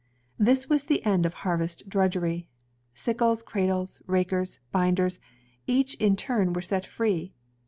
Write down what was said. This was the end of harvest drudgery. Sickles, cradles, rakers, binders, each in turn were set free.